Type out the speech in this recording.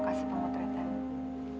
lokasi panggut rentan